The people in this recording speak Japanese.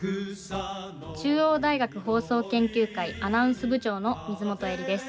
中央大学放送研究会アナウンス部長の水本英里です。